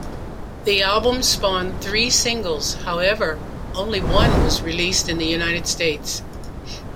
The album spawned three singles, however only one was released in the United States.